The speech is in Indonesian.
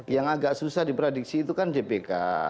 yang agak susah diprediksi itu kan dpk